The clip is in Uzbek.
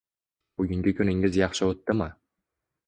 Bugungi kuningiz yaxshi o'tdimi